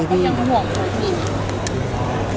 แล้วเขาก็ยังห่วงเขาอีก